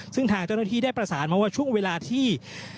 ซึ่งทางเจ้าหน้าที่ได้ประสานมาว่าช่วงเวลาที่